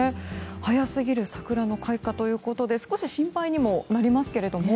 早すぎる桜の開花ということで少し心配にもなりますけれども。